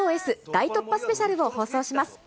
大突破スペシャルを放送します。